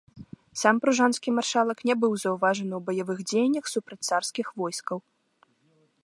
Сам пружанскі маршалак не быў заўважаны ў баявых дзеяннях супраць царскіх войскаў.